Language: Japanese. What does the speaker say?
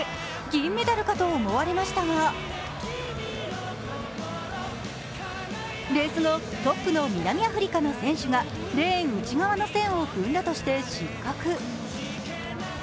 銀メダルかと思われましたが、レース後、トップの南アフリカの選手がレーン内側の線を踏んだとして失格。